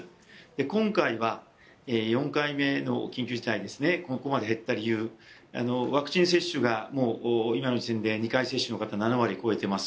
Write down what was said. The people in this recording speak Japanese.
今回は、４回目の緊急事態ですね、ここまで減った理由、ワクチン接種が今の時点で２回接種の方が７割超えています。